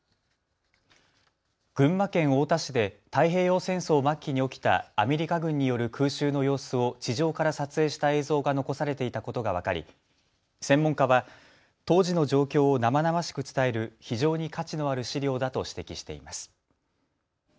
群馬県太田市で太平洋戦争末期に起きたアメリカ軍による空襲の様子を地上から撮影した映像が残されていたことが分かり専門家は当時の状況を生々しく伝える非常に価値のある資料だと指摘しています。